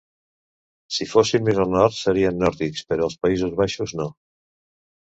Si fossin més al nord, serien nòrdics, però els països baixos no.